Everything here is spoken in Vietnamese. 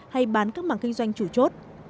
hay bán các mảng kinh doanh chủ chốt